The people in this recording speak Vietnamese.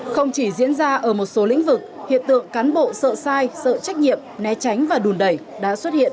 không chỉ diễn ra ở một số lĩnh vực hiện tượng cán bộ sợ sai sợ trách nhiệm né tránh và đùn đẩy đã xuất hiện